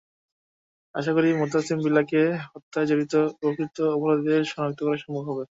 আশা করি মোতাসিম বিল্লাহকে হত্যায় জড়িত প্রকৃত অপরাধীদের শনাক্ত করা সম্ভব হবে।